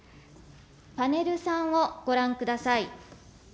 パネル３をご覧ください。